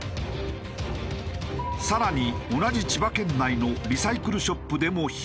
更に同じ千葉県内のリサイクルショップでも被害が。